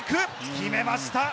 決めました。